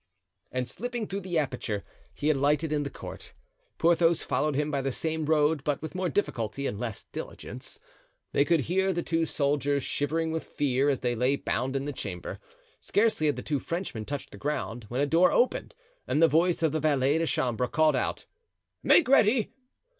And slipping through the aperture, he alighted in the court. Porthos followed him by the same road, but with more difficulty and less diligence. They could hear the two soldiers shivering with fear, as they lay bound in the chamber. Scarcely had the two Frenchmen touched the ground when a door opened and the voice of the valet de chambre called out: "Make ready!"